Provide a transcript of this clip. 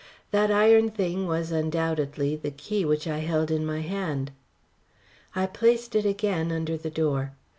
That iron thing was, undoubtedly, the key which I held in my hand. I placed it again under the door.